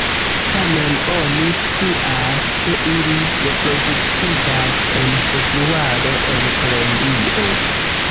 Tamen oni scias, ke ili reproduktiĝas en februaro en Kolombio.